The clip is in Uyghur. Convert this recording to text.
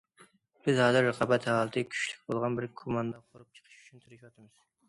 بىز ھازىر رىقابەت ھالىتى كۈچلۈك بولغان بىر كوماندا قۇرۇپ چىقىش ئۈچۈن تىرىشىۋاتىمىز.